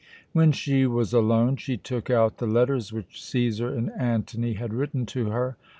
When she was alone, she took out the letters which Cæsar and Antony had written to her.